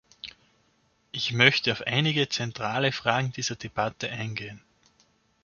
Ich möchte auf einige zentrale Fragen dieser Debatte eingehen.